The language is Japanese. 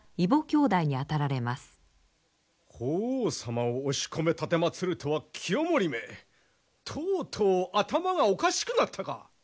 法皇様を押し込め奉るとは清盛めとうとう頭がおかしくなったか！